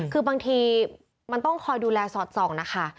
คือบางทีมันต้องคอยดูแลสอดส่องนะคะ